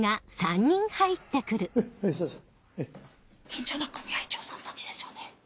近所の組合長さんたちですよね。